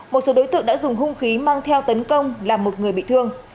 một số đối tượng đã dùng hung khí mang theo tấn công làm một người bị thương